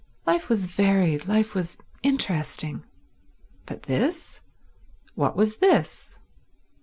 Life was varied, life was interesting. But this? What was this?